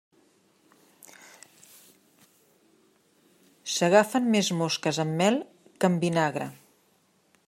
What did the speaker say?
S'agafen més mosques amb mel que amb vinagre.